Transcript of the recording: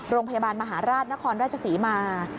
โรงพยาบาลมหาราชนครราชศรีมา